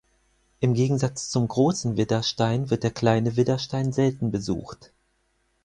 Im Gegensatz zum Großen Widderstein wird der Kleine Widderstein selten besucht.